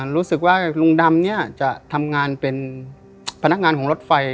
รู้สึกว่าลุงดำเนี่ยจะทำงานเป็นพนักงานของรถไฟ